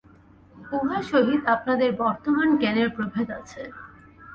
উহার সহিত আপনাদের বর্তমান জ্ঞানের প্রভেদ আছে।